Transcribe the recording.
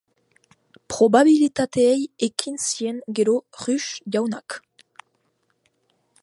Probabilitateei ekin zien gero Ruche jaunak.